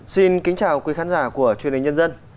xin kính chào quý khán giả của truyền hình nhân dân